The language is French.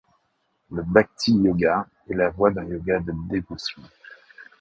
Le bhakti yoga est la voie d'un yoga de dévotion.